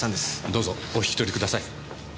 どうぞお引き取りください。